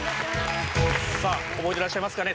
さあ覚えていらっしゃいますかね？